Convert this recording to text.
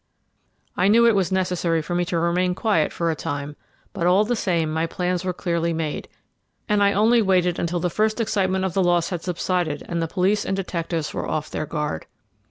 I knew it was necessary for me to remain quiet for a time, but all the same my plans were clearly made, and I only waited until the first excitement of the loss had subsided and the police and detectives were off their guard.